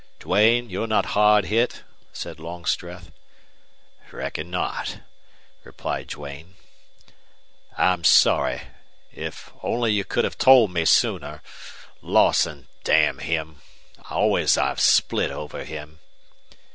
"Duane, you're not hard hit?" said Longstreth. "Reckon not," replied Duane. "I'm sorry. If only you could have told me sooner! Lawson, damn him! Always I've split over him!"